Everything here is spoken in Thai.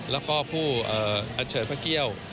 แล้วก็ผู้อัญเชิญพระเกี่ยว